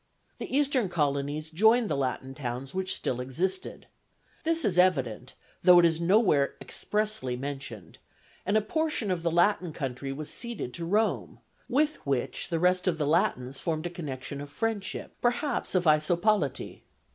The eastern colonies joined the Latin towns which still existed: this is evident, though it is nowhere expressly mentioned; and a portion of the Latin country was ceded to Rome, with which the rest of the Latins formed a connection of friendship, perhaps of isopolity.